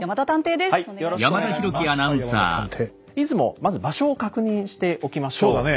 まず場所を確認しておきましょう。